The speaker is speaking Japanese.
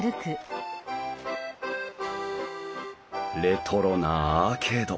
レトロなアーケード。